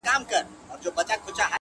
او پر ښار باندي نازل نوی آفت سو!.